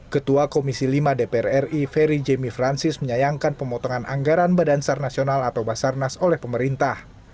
ketua komisi lima dpr ri ferry jemi francis menyayangkan pemotongan anggaran badan sar nasional atau basarnas oleh pemerintah